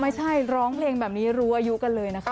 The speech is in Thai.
ไม่ใช่ร้องเพลงแบบนี้รู้อายุกันเลยนะคะ